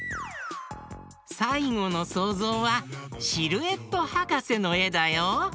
さいごのそうぞうはシルエットはかせのえだよ。